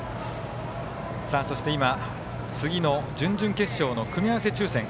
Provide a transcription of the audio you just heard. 今、次の準々決勝の組み合わせ抽せん。